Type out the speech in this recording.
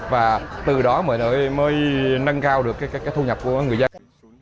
và từ đó mới nâng cao được cái thu nhập của người dân